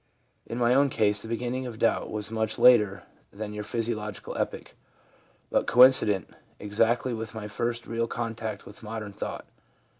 In my own case the beginning of doubt was much later than your physiological epoch, but coincident exactly with my first real contact with modern thought.